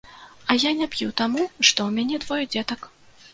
А я не п'ю таму, што ў мяне двое дзетак.